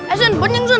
eh sun bonyeng sun